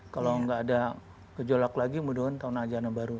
kalau nggak ada gejolak lagi mudah mudahan tahun ajaran baru